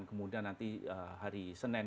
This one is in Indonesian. kemudian nanti hari senin